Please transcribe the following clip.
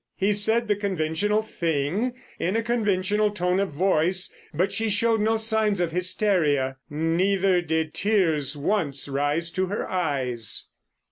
He said the conventional thing in a conventional tone of voice, but she showed no signs of hysteria, neither did tears once rise to her eyes.